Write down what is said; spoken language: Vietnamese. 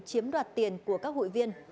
chiếm đoạt tiền của các hụi viên